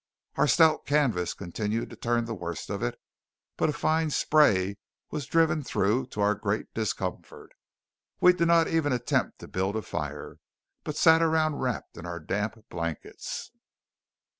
Our stout canvas continued to turn the worst of it, but a fine spray was driven through, to our great discomfort. We did not even attempt to build a fire, but sat around wrapped in our damp blankets.